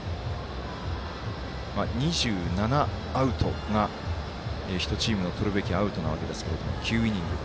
２７アウトが１チームのとるべきアウトなわけですが９イニングで。